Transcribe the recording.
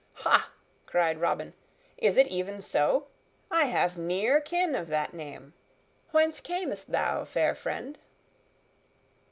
"Ha!" cried Robin, "is it even so? I have near kin of that name. Whence camest thou, fair friend?"